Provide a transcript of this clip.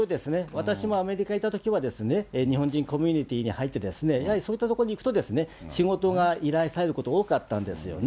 私もアメリカいたときは、日本人コミュニティに入って、やはりそういった所に行くと、仕事が依頼されること多かったんですよね。